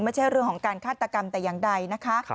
ไม่ใช่เรื่องของการฆาตกรรมแต่อย่างใดนะคะ